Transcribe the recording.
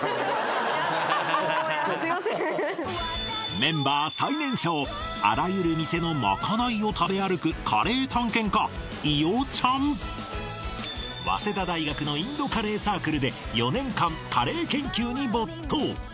メンバー最年少あらゆる店の早稲田大学のインドカレーサークルで４年間カレー研究に没頭